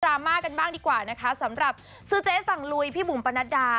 รามากันบ้างดีกว่านะคะสำหรับซื้อเจ๊สั่งลุยพี่บุ๋มปนัดดา